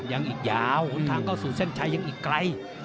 ยังอีกยาวหนทางเข้าสู่เส้นชัยยังอีกไกล